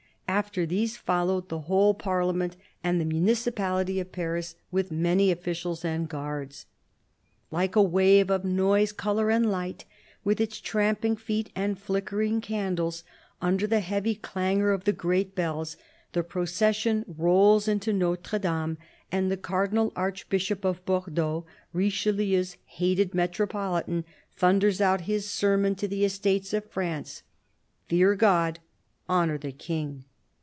After these followed the whole Parliament and the Municipality of Paris, with many officials and guards. Like a wave of noise, colour and light, with its tramp ing feet and flickering candles, under the heavy clangour of the great bells, the procession rolls into Notre Dame, and the Cardinal Archbishop of Bordeaux, Richelieu's hated Metropohtan, thunders out his sermon to the Estates of France :" Fear God. Honour the King."